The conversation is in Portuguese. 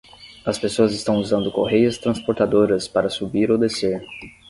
As pessoas estão usando correias transportadoras para subir ou descer.